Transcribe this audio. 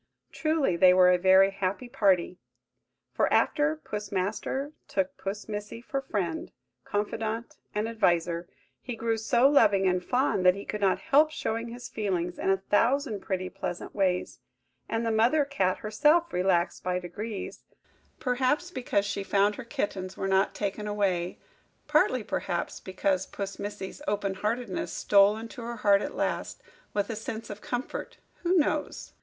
Truly, they were a very happy party; for after Puss Master took Puss Missy for friend, confidante, and adviser, he grew so loving and fond, that he could not help showing his feelings in a thousand pretty pleasant ways: and the mother cat herself relaxed by degrees; perhaps because she found her kittens were not taken away–partly, perhaps, because Puss Missy's open heartedness stole into her heart at last, with a sense of comfort–who knows?